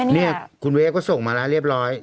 นี่คุณเวฟก็ส่งมาแล้วเรียบร้อย